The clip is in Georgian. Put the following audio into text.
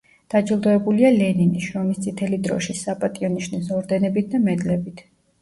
დაჯილდოებულია ლენინის, შრომის წითელი დროშის, საპატიო ნიშნის ორდენებით და მედლებით.